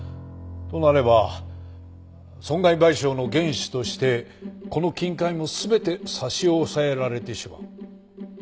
となれば損害賠償の原資としてこの金塊も全て差し押さえられてしまう。